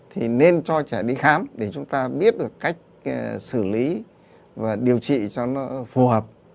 thì nên cho trẻ đi khám để chúng ta biết được cách xử lý và điều trị cho nó phù hợp